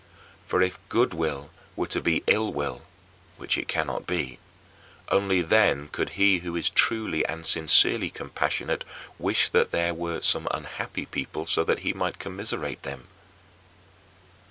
For if good will were to be ill will which it cannot be only then could he who is truly and sincerely compassionate wish that there were some unhappy people so that he might commiserate them.